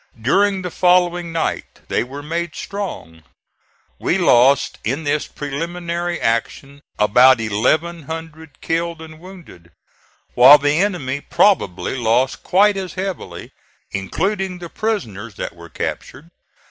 During the following night they were made strong. We lost in this preliminary action about eleven hundred killed and wounded, while the enemy probably lost quite as heavily, including the prisoners that were captured.